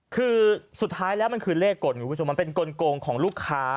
คือสุดท้ายแล้วมันคือเลขกฎมันเป็นกลงของลูกค้า